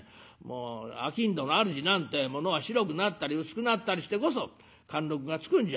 商人のあるじなんてえものは白くなったり薄くなったりしてこそ貫禄がつくんじゃありませんか。